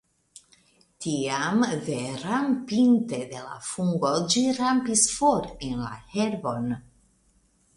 Tiam, derampinte de la fungo, ĝi rampis for en la herbon.